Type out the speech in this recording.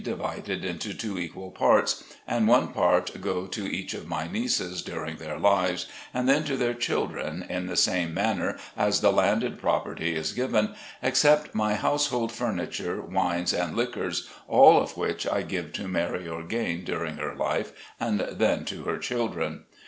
divided into two equal parts, and one part go to each of my nieces, during their lives, and then to their children, in the same manner as the landed property is given, except my Household Furniture, Wines and Liquors, all of which I give to Mary Orgain during her life, and then to her children.